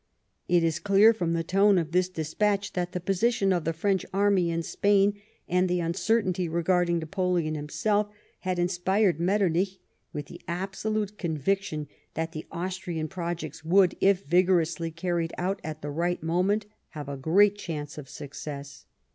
It is clear from the tone of this despatch that the position of the French army in Spain, and the uncertainty regarding Napoleon himself, had inspired Metternich with the absolute conviction that the Austrian projects would, if vigorously carried out at the right moment, have a great cliance of success.